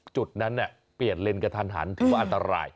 จุดนั้นเนี่ยเปลี่ยนเลนกันทันถือว่าอันตราย